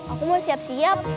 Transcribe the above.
aku mau siap siap